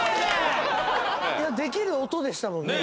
できる音でしたもんね